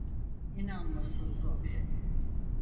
İnanması zor.